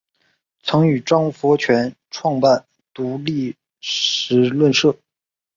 曾与张佛泉创办独立时论社。